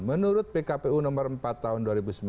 menurut pkpu nomor empat tahun dua ribu sembilan belas